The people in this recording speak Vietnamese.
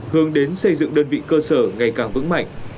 hướng đến xây dựng đơn vị cơ sở ngày càng vững mạnh